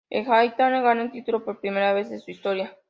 El Hitachi gana el título por primera vez en su historia.